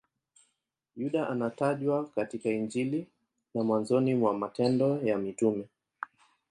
Yuda anatajwa katika Injili na mwanzoni mwa Matendo ya Mitume.